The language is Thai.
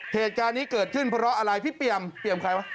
เหตุการณ์นี้เกิดขึ้นเพราะอะไรพี่เปรียมเปรียมใครวะ